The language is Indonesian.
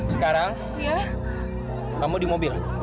sekarang kamu di mobil